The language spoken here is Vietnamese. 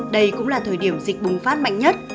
đây cũng là thời điểm dịch bùng phát mạnh nhất